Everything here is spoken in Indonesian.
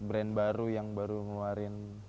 brand baru yang baru ngeluarin